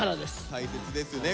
大切ですね。